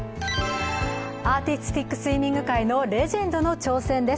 アーティスティックスイミング界のレジェンドの挑戦です。